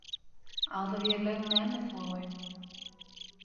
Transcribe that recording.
Agzybirligiň nämesi gowy?